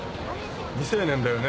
未成年だよね。